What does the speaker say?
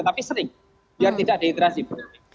tapi sering biar tidak dehidrasi politik